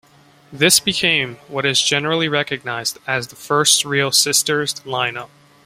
This became what is generally recognised as the first real Sisters line-up.